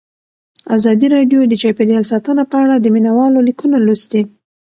ازادي راډیو د چاپیریال ساتنه په اړه د مینه والو لیکونه لوستي.